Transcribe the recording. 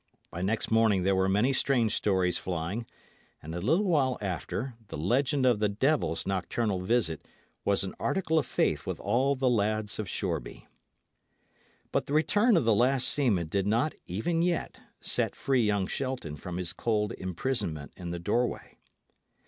By next morning there were many strange stories flying; and a little while after, the legend of the devil's nocturnal visit was an article of faith with all the lads of Shoreby. But the return of the last seaman did not, even yet, set free young Shelton from his cold imprisonment in the doorway.